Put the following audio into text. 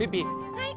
はい。